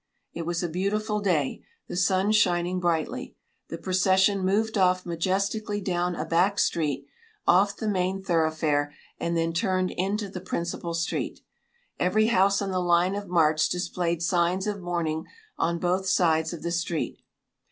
It was a beautiful day, the sun shining brightly. The procession moved off majestically down a back street, off the main thoroughfare, and then turned into the principal street. Every house on the line of march displayed signs of mourning on both sides of the street.